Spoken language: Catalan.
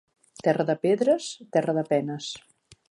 Terra de pedres, terra de penes.